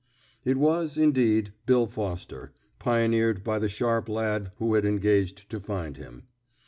It was, indeed. Bill Foster, pioneered by the sharp lad who had engaged to find him.